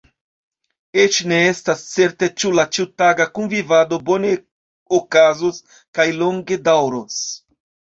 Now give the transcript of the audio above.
Eĉ ne estas certe ĉu la ĉiutaga kunvivado bone okazos kaj longe daŭros.